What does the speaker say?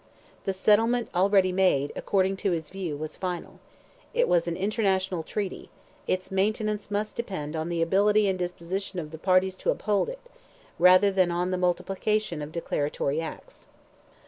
The settlement already made, according to his view, was final; it was an international treaty; its maintenance must depend on the ability and disposition of the parties to uphold it, rather than on the multiplication of declaratory acts.